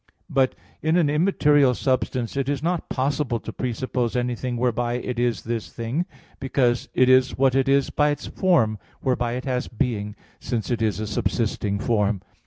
But in an immaterial substance it is not possible to presuppose anything whereby it is this thing; because it is what it is by its form, whereby it has being, since it is a subsisting form.